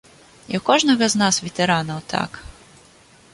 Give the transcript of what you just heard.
І ў кожнага з нас, ветэранаў, так.